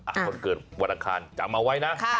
ครับคนเกิดวันพุทธจำเอาไว้นะ